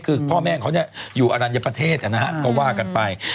คือพ่อแม่ของเขาอยู่อรัญญประเทศนะฮะก็ว่ากันไป